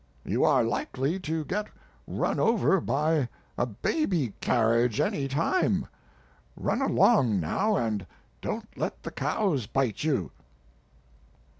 You are likely to get run over by a baby carriage any time. Run along now and don't let the cows bite you."